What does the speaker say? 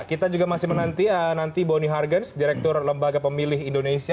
kita juga masih menanti nanti boni hargens direktur lembaga pemilih indonesia